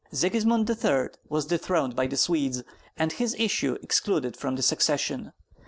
Sigismund III. was dethroned by the Swedes, and his issue excluded from the succession.